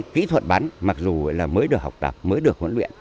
kỹ thuật bắn mặc dù là mới được học tập mới được huấn luyện